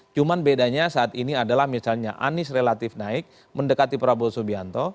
cuma bedanya saat ini adalah misalnya anies relatif naik mendekati prabowo subianto